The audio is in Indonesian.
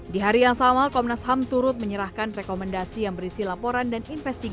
di hari yang sama komnas ham turut menyerahkan rekomendasi yang berisi laporan dan investigasi